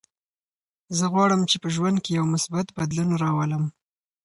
زه غواړم چې په ژوند کې یو مثبت بدلون راولم.